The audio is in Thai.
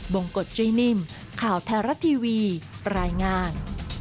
บงกฎใจนิ่มข่าวแทรฟ์รัฐทีวีรายงาน